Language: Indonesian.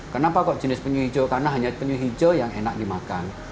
kenapa kok jenis penyu hijau karena hanya penyu hijau yang enak dimakan